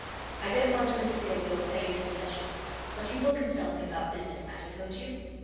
I don't want to interfere with your plays and pleasures; but you will consult me about business matters, won't you?